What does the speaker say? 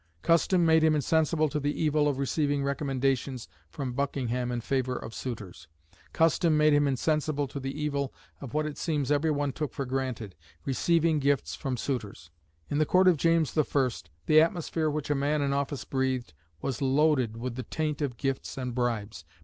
Custom made him insensible to the evil of receiving recommendations from Buckingham in favour of suitors. Custom made him insensible to the evil of what it seems every one took for granted receiving gifts from suitors. In the Court of James I. the atmosphere which a man in office breathed was loaded with the taint of gifts and bribes.